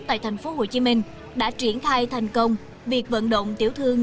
tại tp hcm đã triển khai thành công việc vận động tiểu thương